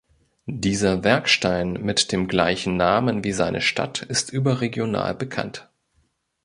Dieser Werkstein mit dem gleichen Namen wie seine Stadt ist überregional bekannt.